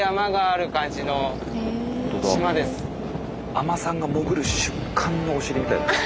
海人さんが潜る瞬間のお尻みたい。